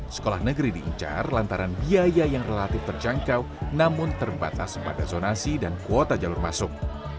sekolah negeri diincar lantaran biaya yang relatif terjangkau namun terbatas pada zonasi dan kuota jalur masuk